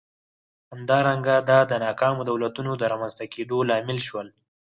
همدارنګه دا د ناکامو دولتونو د رامنځته کېدو لامل شول.